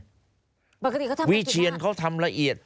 บันทึกเค้าทำเป็นกี่หน้าวิเชียนเค้าทำละเอียด